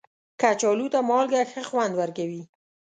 کچالو ته مالګه ښه خوند ورکوي